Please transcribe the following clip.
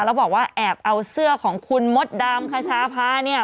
แล้วบอกว่าแอบเอาเสื้อของคุณมดดำคชาพาเนี่ย